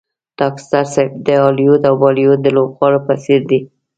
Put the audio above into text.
ډاکټر صاحب د هالیوډ او بالیوډ د لوبغاړو په څېر دی.